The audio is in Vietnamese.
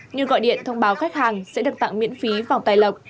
như gọi điện thông báo khách hàng sẽ được tặng miễn phí vòng tài lộc